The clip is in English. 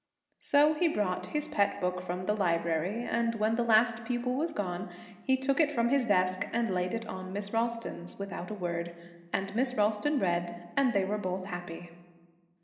So he brought his pet book from the library, and when the last pupil was gone, he took it from his desk and laid it on Miss Ralston's, without a word; and Miss Ralston read, and they were both happy.